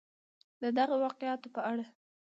د دغه واقعاتو په اړه